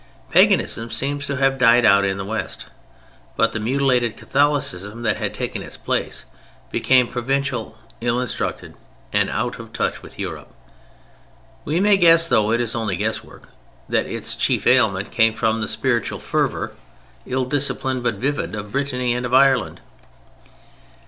Paganism seems to have died out in the West; but the mutilated Catholicism that had taken its place became provincial, ill instructed, and out of touch with Europe. We may guess, though it is only guesswork, that its chief ailment came from the spiritual fervor, ill disciplined but vivid, of Brittany and of Ireland.